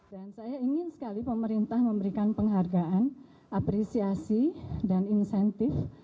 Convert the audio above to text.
dan saya ingin sekali pemerintah memberikan penghargaan apresiasi dan insentif